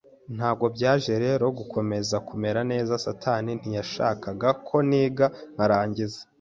Ntabwo byaje rero gukomeza kumera neza satani ntiyashakaga ko niga nkarangiza